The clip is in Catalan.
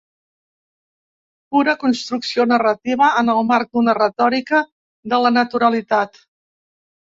Pura construcció narrativa en el marc d'una retòrica de la naturalitat.